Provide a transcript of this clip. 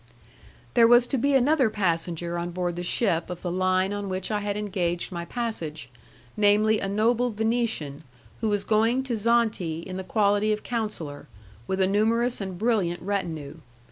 There was to be another passenger on board the ship of the line on which I had engaged my passage, namely, a noble Venetian, who was going to Zante in the quality of counsellor, with a numerous and brilliant retinue.